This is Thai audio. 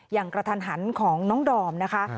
อย่างกระทันหันของน้องดอมนะคะ